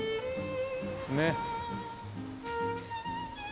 ねっ。